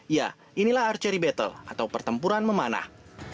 ya inilah archery battle atau pertempuran memanah